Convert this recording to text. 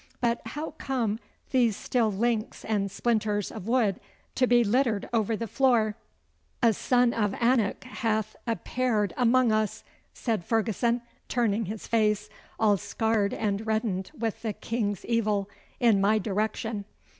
But how come these steel links and splinters of wood to be littered over the floor?' 'A son of Anak hath appaired amang us,' said Ferguson, turning his face, all scarred and reddened with the king's evil, in my direction.